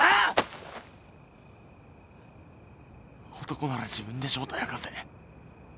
男なら自分で正体明かせ。